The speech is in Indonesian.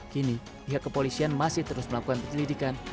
kini pihak kepolisian masih terus melakukan penyelidikan